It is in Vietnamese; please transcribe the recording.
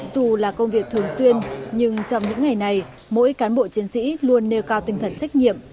dù là công việc thường xuyên nhưng trong những ngày này mỗi cán bộ chiến sĩ luôn nêu cao tinh thần trách nhiệm